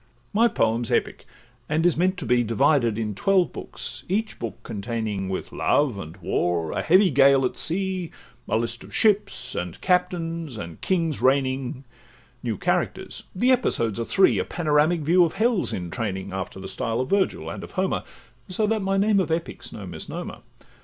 My poem 's epic, and is meant to be Divided in twelve books; each book containing, With love, and war, a heavy gale at sea, A list of ships, and captains, and kings reigning, New characters; the episodes are three: A panoramic view of hell 's in training, After the style of Virgil and of Homer, So that my name of Epic 's no misnomer.